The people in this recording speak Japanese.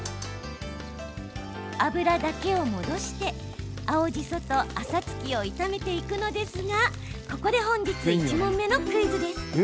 油だけを戻して青じそとあさつきを炒めていくのですがここで本日１問目のクイズです。